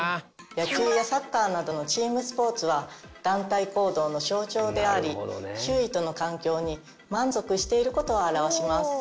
野球やサッカーなどのチームスポーツは団体行動の象徴であり周囲との環境に満足している事を表します。